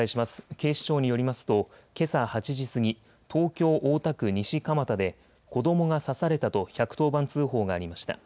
警視庁によりますとけさ８時過ぎ東京大田区西蒲田で子どもが刺されたと１１０番通報がありました。